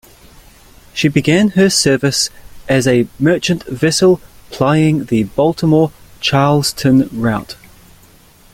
She began her service as a merchant vessel plying the Baltimore - Charleston route.